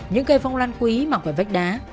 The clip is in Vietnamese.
những cây phong lan quý mặc vạch đá